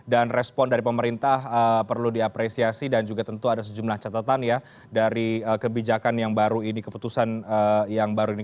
dan respon dari pemerintah perlu diapresiasi dan juga tentu ada sejumlah catatan ya dari kebijakan yang baru ini keputusan yang baru ini